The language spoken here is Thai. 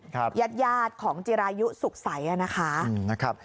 ครับยาดของจิยรายุสุขใส่อะนะคะนะครับ